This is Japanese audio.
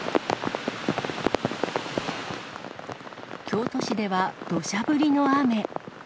京都市ではどしゃ降りの雨。